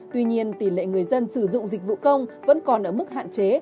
tuy nhiên tỷ lệ người dân sử dụng dịch vụ công vẫn còn ở mức hạn chế